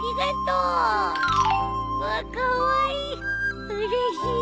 うれしい！